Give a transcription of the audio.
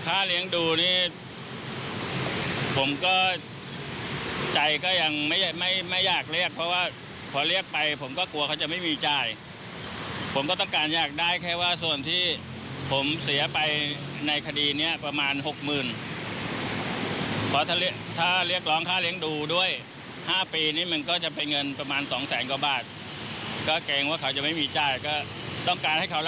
แค่ที่ทำให้เราเสียหายต้องเสียค่าประกันตัวเสียค่าเดินทางไปศาล